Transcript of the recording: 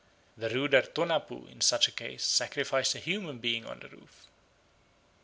The ruder Tonapoo in such a case sacrifice a human being on the roof.